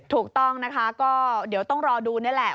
ถูกต้องนะคะก็เดี๋ยวต้องรอดูนี่แหละ